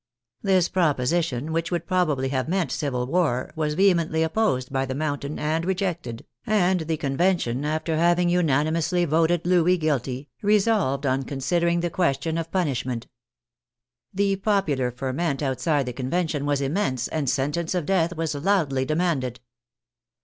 This proposition, which would probably have meant civil war, was vehe mently opposed by the Mountain and rejected, and the Convention, after having unanimously voted Louis guilty, resolved on considering the question of punishment. The popular ferment outside the Convention was immense, and sentence of death was loudly demanded.